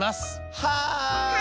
はい！